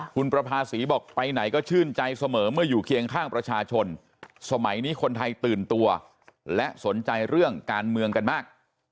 คุณประภาษีบอกไปไหนก็ชื่นใจเสมอเมื่ออยู่เคียงข้างประชาชนสมัยนี้คนไทยตื่นตัวและสนใจเรื่องการเมืองกันมาก